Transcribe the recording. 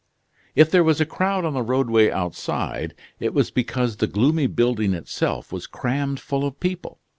If there was a crowd on the roadway outside, it was because the gloomy building itself was crammed full of people.